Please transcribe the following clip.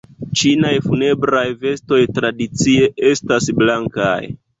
Ĉinaj funebraj vestoj tradicie estas blankaj.